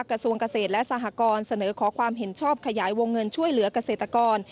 กระทรวงเกษตรและสหกรณ์เสนอขอความเห็นชอบขยายวงเงินช่วยเหลือกเกษตรกร